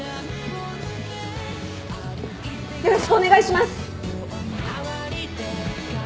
よろしくお願いします！